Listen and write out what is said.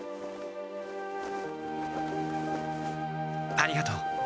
ありがとう。